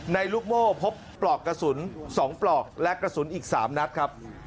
ลูกโม่พบปลอกกระสุน๒ปลอกและกระสุนอีก๓นัดครับ